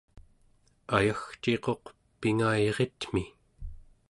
ayagciquq Pingayiritmi